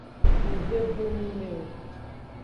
Ng gbe do nu me o.